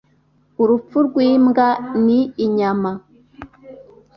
Urupfu rw’imbwa ni inyama.